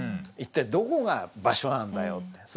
一体どこが場所なんだよって。